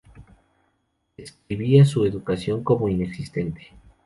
Describía su educación como inexistente.